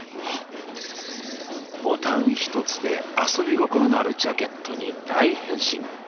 ボタン一つで遊び心のあるジャケットに大変身。